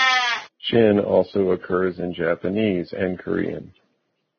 "Jin" also occurs in Japanese and Korean.